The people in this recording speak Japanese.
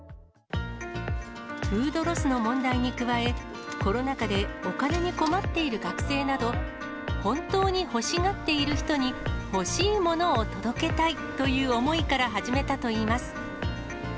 フードロスの問題に加え、コロナ禍でお金に困っている学生など、本当に欲しがっている人に欲しいものを届けたいという思いから始めたといいます。